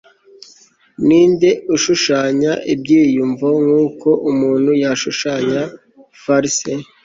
ninde ushushanya ibyiyumvo nkuko umuntu yashushanya farce